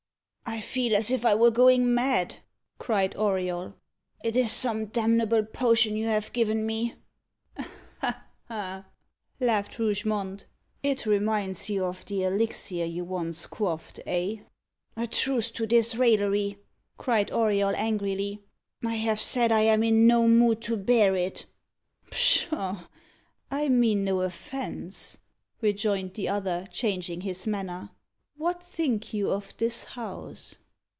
"I feel as if I were going mad," cried Auriol. "It is some damnable potion you have given me." "Ha! ha!" laughed Rougemont. "It reminds you of the elixir you once quaffed eh?" "A truce to this raillery!" cried Auriol angrily. "I have said I am in no mood to bear it." "Pshaw! I mean no offence," rejoined the other, changing his manner. "What think you of this house?"